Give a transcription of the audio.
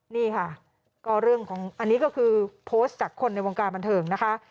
นี่ค่ะก็เรื่องของอันนี้ก็คือโพสต์จากคนในวงการบันเทิงนะคะ